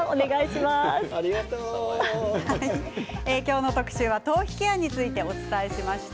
今日の特集は頭皮ケアについてお伝えしました。